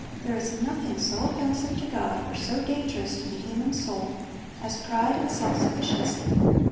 There is nothing so offensive to God, or so dangerous to the human soul, as pride and self sufficiency.